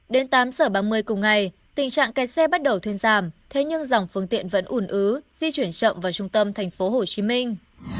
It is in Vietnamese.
đến tám giờ ba mươi cùng ngày tình trạng kẹt xe bắt đầu thuyên giảm thế nhưng dòng phương tiện vẫn ủn ứ di chuyển chậm vào trung tâm thành phố hồ chí minh